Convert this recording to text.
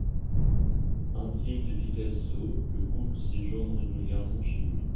Intime de Picasso, le couple séjourne régulièrement chez lui.